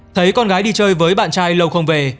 thấy con gái đi chơi với bạn trai lâu không về